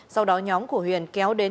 sau đó nhóm của huyền kéo đến